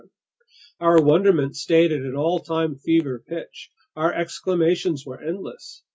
Our wonderment stayed at an all time fever pitch. Our exclamations were endless.